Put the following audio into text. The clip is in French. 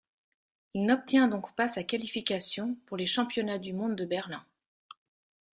Il n'obtient donc pas sa qualification pour les Championnats du monde de Berlin.